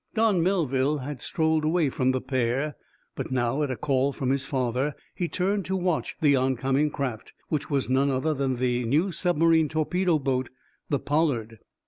Don Melville had strolled away from the pair, but now, at a call from his father, he turned to watch the oncoming craft, which was none other than the new submarine torpedo boat, the "Pollard."